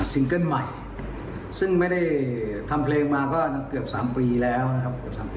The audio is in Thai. ซิงเกิ้ลใหม่ซึ่งไม่ได้ทำเพลงมาก็เกือบ๓ปีแล้วนะครับ